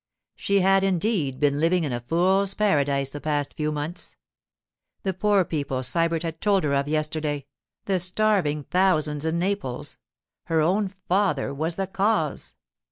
She had indeed been living in a fools' paradise the past few months! The poor people Sybert had told her of yesterday—the starving thousands in Naples—her own father was the cause.